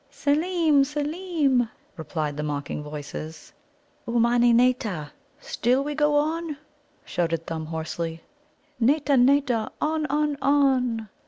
"Seelem, Seelem!" replied the mocking voices. "Ummani nâta? Still we go on?" shouted Thumb hoarsely. "Nâta, nâta! On, on, on!"